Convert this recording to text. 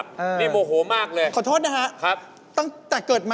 เพื่ออะไรอ่ะเจด